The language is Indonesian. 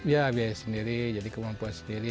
ya biaya sendiri jadi kemampuan sendiri